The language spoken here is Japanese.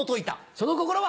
その心は！